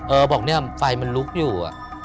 บอกเนี่ยไฟมันลุกอยู่